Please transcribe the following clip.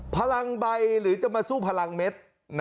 พลังใบหรือจะมาสู้พลังเม็ด